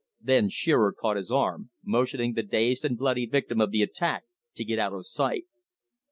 Then Shearer caught his arm, motioning the dazed and bloody victim of the attack to get out of sight.